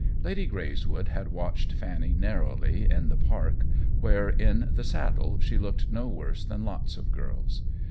Lady Greyswood had watched Fanny narrowly in the Park, where, in the saddle, she looked no worse than lots of girls.